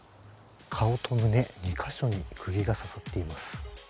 顔と胸、２カ所にくぎが刺さっています。